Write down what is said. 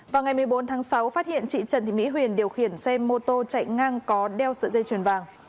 vào ngày một mươi bốn tháng sáu phát hiện chị trần thị mỹ huyền điều khiển xe mô tô chạy ngang có đeo sợi dây chuyền vàng